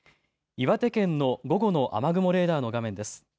岩手県の午後の雨雲レーダーの画面です。